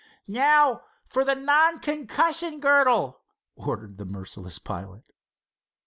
"Now for the non concussion girdle," ordered the merciless pilot.